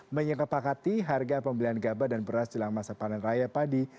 menyekapakati harga pembelian gabah dan beras jelang masa panen raya padi